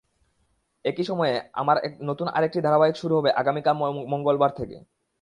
একই সময়ে আমার নতুন আরেকটি ধারাবাহিক শুরু হবে আগামীকাল মঙ্গলবার থেকে।